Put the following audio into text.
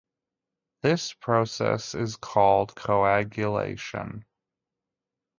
This process is called coagulation.